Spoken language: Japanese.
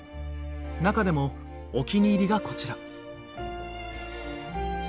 中でもお気に入りがこちら。